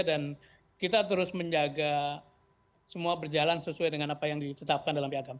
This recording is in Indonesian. dan kita terus menjaga semua berjalan sesuai dengan apa yang dicetakkan dalam piagam